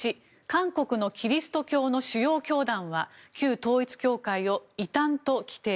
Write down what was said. １韓国のキリスト教の主要教団は旧統一教会を異端と規定。